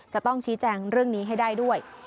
จะต้องชี้แจงเรื่องนี้ให้ได้ด้วย